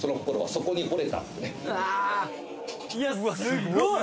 すごい！